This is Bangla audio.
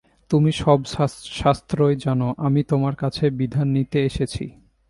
তুমি সব শাস্ত্রই জান, আমি তোমার কাছে বিধান নিতে এসেছি।